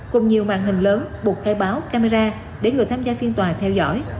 cùng nhiều màn hình lớn buộc khai báo camera để người tham gia phiên tòa theo dõi